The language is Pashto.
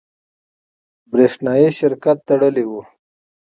برېښنایي سرکټ تړلی وي.